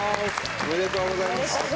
おめでとうございます。